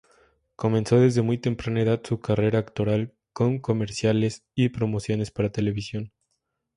Comenzó desde muy temprana edad su carrera actoral con comerciales y promociones para televisión.